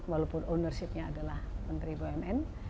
walaupun ownership nya adalah menteri bumn